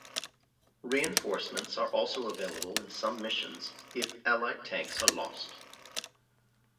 Reinforcements are also available in some missions if allied tanks are lost.